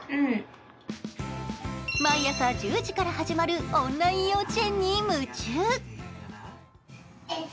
毎朝１０時から始まるオンライン幼稚園に夢中。